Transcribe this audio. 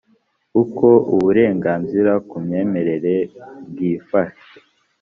uko uburenganzira ku myemerere bwifahe